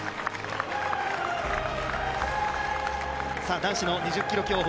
男子の２０ｋｍ競歩